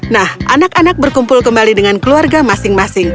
nah anak anak berkumpul kembali dengan keluarga masing masing